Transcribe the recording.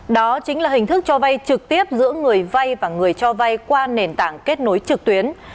đó chính là hình thức cho vay trực tiếp giữa người vay và người cho vay qua nền tảng kết nối trực tuyến